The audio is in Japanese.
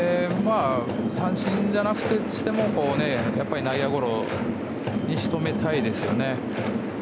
三振じゃないとしても内野ゴロに仕留めたいですよね。